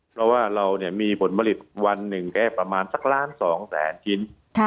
เพราะว่าเรามีผลผลิตวันหนึ่งแค่ประมาณสักล้าน๒แสนชิ้น